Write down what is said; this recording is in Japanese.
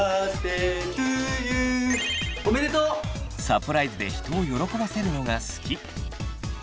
サプライズで人を喜ばせるのが好き。